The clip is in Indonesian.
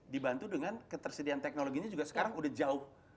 dibantu dengan ketersediaan teknologinya juga sekarang udah jauh